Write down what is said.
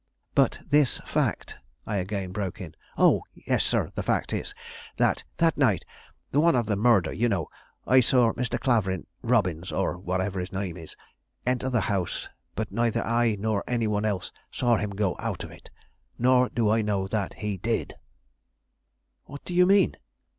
"But this fact," I again broke in. "O yes, sir; the fact is, that that night, the one of the murder you know, I saw Mr. Clavering, Robbins, or whatever his name is, enter the house, but neither I nor any one else saw him go out of it; nor do I know that he did." "What do you mean?"